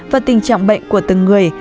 và tình trạng bệnh của từng người